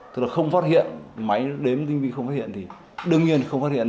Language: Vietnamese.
thực ra không phát hiện máy đếm tinh vi không phát hiện thì đương nhiên không phát hiện